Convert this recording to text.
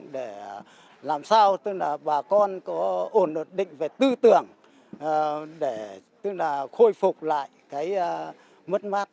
để làm sao bà con có ổn định về tư tưởng để khôi phục lại mất mát